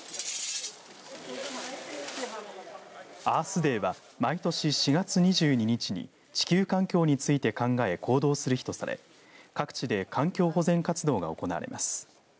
アースデーは毎年４月２２日に地球環境について考え行動する日とされ各地で環境保全活動が行われます。